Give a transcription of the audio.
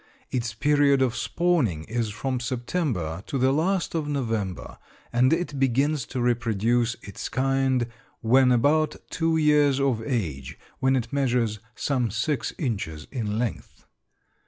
Its period of spawning is from September to the last of November, and it begins to reproduce its kind when about two years of age, when it measures some six inches in length.